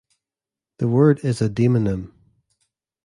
The word is a demonym.